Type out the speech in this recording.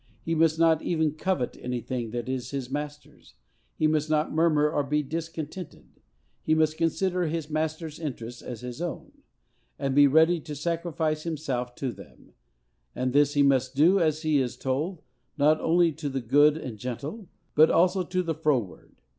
He must not even covet anything that is his master's; he must not murmur or be discontented; he must consider his master's interests as his own, and be ready to sacrifice himself to them; and this he must do, as he is told, not only to the good and gentle, but also to the froward.